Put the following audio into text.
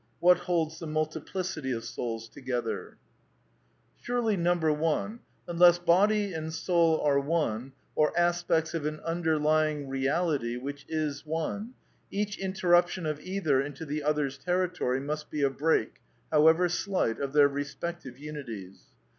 What holds the multiplicity of souls together ? Surely (1), unless body and soul are one, or aspects of an underlying Eeality which is one, each interruption of either into the other's territory must be a break, however slight, of their respective unities.